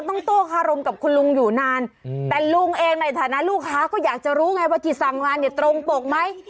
โต้คารมกับคุณลุงอยู่นานแต่ลุงเองในฐานะลูกค้าก็อยากจะรู้ไงว่าที่สั่งงานเนี่ยตรงปกไหม